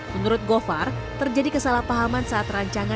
menurut govar terjadi kesalahpahaman saat rancangan anggaran biaya